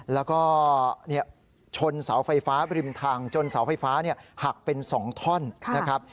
แล้วก็ชนเสาไฟฟ้าบริมทางจนเสาไฟฟ้าหักเป็น๒ท่อนนะครับ